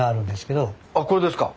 あこれですか。